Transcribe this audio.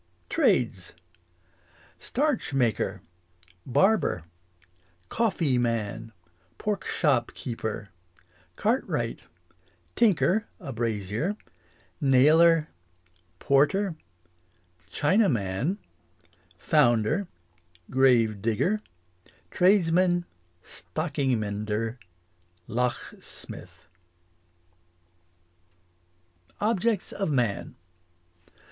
Trades. Starch maker Barber Cofifeeman Porkshop keeper Cartwright Tinker, a brasier Nailer Porter Chinaman Founder Grave digger Tradesman Stockingmender Lochsmith English as she is spoke. Objects of man.